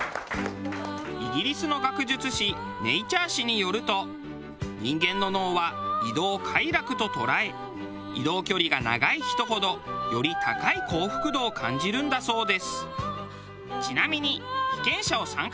イギリスの学術誌『Ｎａｔｕｒｅ』誌によると人間の脳は移動を快楽と捉え移動距離が長い人ほどより高い幸福度を感じるんだそうです。